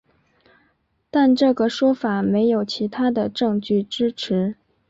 但这个说法没有其他的证据支持。